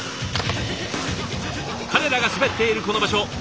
彼らが滑っているこの場所。